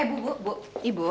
eh bu bu bu ibu